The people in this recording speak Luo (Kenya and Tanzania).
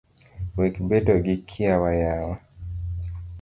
Wek bedo gi kiawa yawa